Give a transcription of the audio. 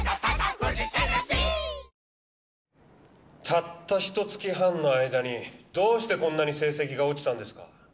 たったひと月半の間にどうしてこんなに成績が落ちたんですか？